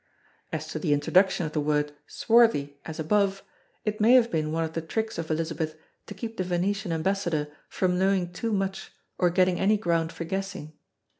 As to the introduction of the word "swarthy" as above; it may have been one of the tricks of Elizabeth to keep the Venetian ambassador from knowing too much or getting any ground for guessing.